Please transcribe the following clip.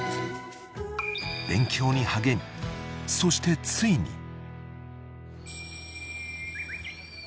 ［勉強に励みそしてついに］